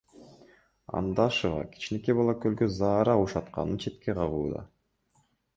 Андашева кичинекей бала көлгө заара ушатканын четке кагууда.